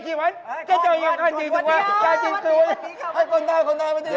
คนเย้คนเย้เจ้ามีคีบไหมจ่ายจีบขึ้น